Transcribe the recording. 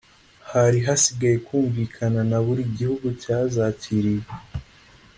hari hasigaye kumvikana na buri gihugu cyazakiriye